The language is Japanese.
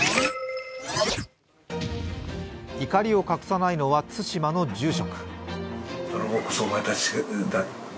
怒りを隠さないのは対馬の住職。